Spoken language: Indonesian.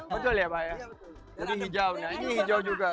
betul ya pak ya jadi hijau nah ini hijau juga